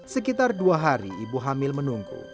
sekitar dua hari ibu hamil menunggu